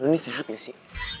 ini sehat gak sih